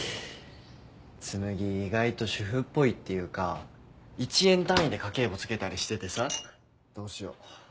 紬意外と主婦っぽいっていうか１円単位で家計簿つけたりしててさどうしよう。